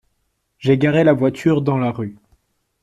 J'ai garé la voiture dans la rue.